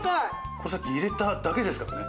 これさっき入れただけですからね。